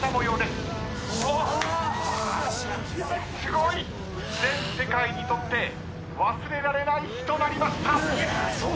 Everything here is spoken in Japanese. すごい！全世界にとって忘れられない日となりました！